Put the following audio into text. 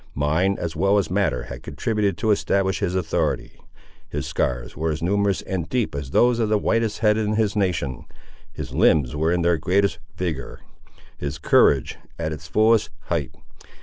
Mind as well as matter had contributed to establish his authority. His scars were as numerous and deep as those of the whitest head in his nation; his limbs were in their greatest vigour; his courage at its fullest height.